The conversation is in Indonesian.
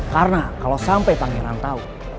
karena kalo sampe pangeran tau